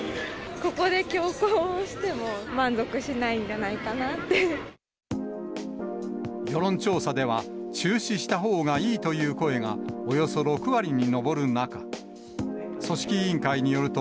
ここで強行しても、世論調査では、中止したほうがいいという声がおよそ６割に上る中、組織委員会によると、